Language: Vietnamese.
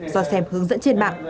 do xem hướng dẫn trên mạng